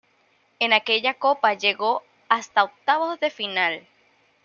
En aquella Copa llegó hasta octavos de final.